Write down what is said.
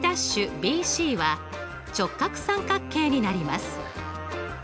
’ＢＣは直角三角形になります。